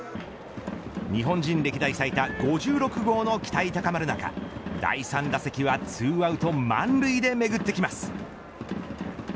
日本人歴代最多５６号の期待高まる中第３打席は２アウト満塁でめぐってきます。